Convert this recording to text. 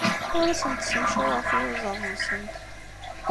Ur asent-ssencaweɣ tiyuzaḍ-nsent.